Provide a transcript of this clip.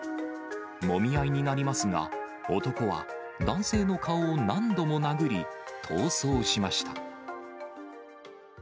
もみ合いになりますが、男は男性の顔を何度も殴り、逃走しました。